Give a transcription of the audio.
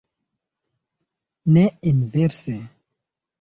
Ne inverse.